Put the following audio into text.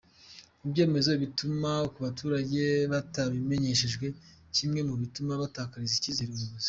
Ibyemezo biturwa ku baturage batabimenyeshejwe kimwe mu bituma batakariza icyizere ubuyobozi.